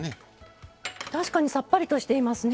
確かにさっぱりとしていますね。